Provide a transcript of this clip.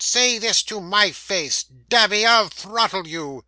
Say this to my face! Damme, I'll throttle you!"